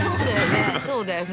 そうだね。